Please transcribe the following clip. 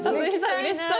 うれしそう。